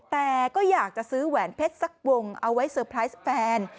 แต่ก็อยากจะซื้อแหวนเพชรสักวงเอาไว้เซอร์ไพรส์แฟน